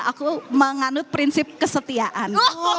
aku menganut prinsip kesetiaan